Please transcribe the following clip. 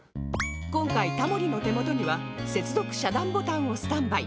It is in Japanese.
今回タモリの手元には接続遮断ボタンをスタンバイ